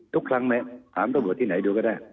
ทุกครั้งไหมถามตำรวจที่ไหนดูก็ได้